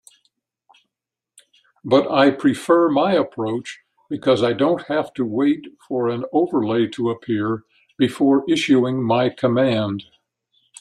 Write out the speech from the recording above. But I prefer my approach because I don't have to wait for an overlay to appear before issuing my command.